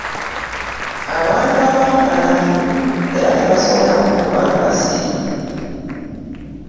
Abantu abamu banafu era tebasobola kukuba nkasi.